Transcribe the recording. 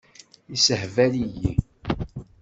Yessehbal-iyi.